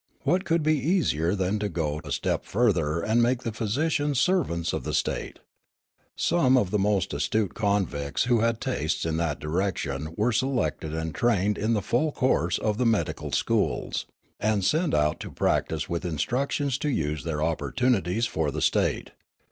What could be easier than to go a step farther and make the physicians servants of the state ? Some of the most astute convicts who had tastes in that direction were selected and trained in the full course of the medical schools, and sent out to prac tise with instructions to use their opportunities for the state.